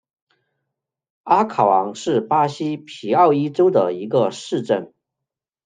阿考昂是巴西皮奥伊州的一个市镇。